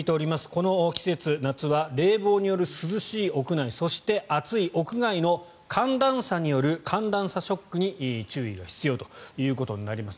この季節、夏は冷房による涼しい屋内そして、暑い屋外の寒暖差による寒暖差ショックに注意が必要ということになります。